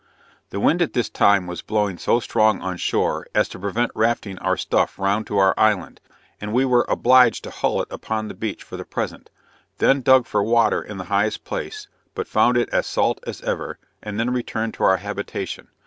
The wind at this time was blowing so strong on shore, as to prevent rafting our stuff round to our island, and we were obliged to haul it upon the beach for the present; then dug for water in the highest place, but found it as salt as ever, and then returned to our habitation.